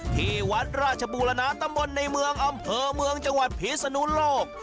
ที่วัดราชบูรณะตำบลในเมืองอำเภอเมืองจังหวัดพิศนุโลก